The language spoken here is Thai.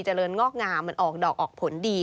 เจริญงอกงามมันออกดอกออกผลดี